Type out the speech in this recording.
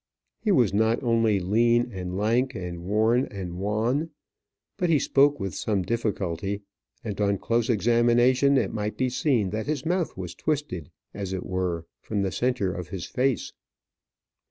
He was not only lean and lank, and worn and wan, but he spoke with some difficulty, and on close examination it might be seen that his mouth was twisted as it were from the centre of his face.